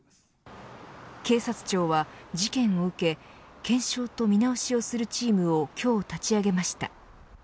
警察庁は事件を受け検証と見直しをするチームを今日、立ち上げました。